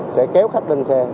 sẽ kéo khách lên xe